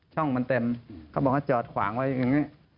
ช่องมันเต็มเขาบอกว่าจอดขวางไว้อย่างนี้